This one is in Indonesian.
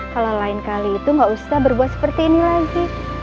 kalau lain kali itu gak usah berbuat seperti ini lagi